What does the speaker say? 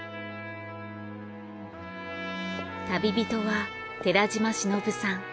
旅人は寺島しのぶさん。